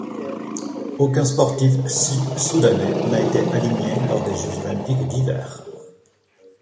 Aucun sportif sud-soudanais n'a été aligné lors des Jeux olympiques d'hiver.